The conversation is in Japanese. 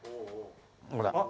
ほら。